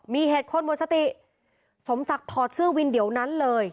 มีเหตุคนหมดสติสมศักดิ์ถอดเสื้อวินเดี๋ยวนั้นเลย